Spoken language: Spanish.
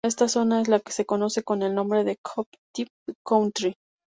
Esta zona es la que se conoce con el nombre de Cockpit Country.